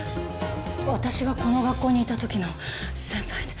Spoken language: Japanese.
私がこの学校にいた時の先輩で。